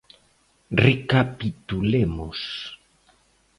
Recapitulemos.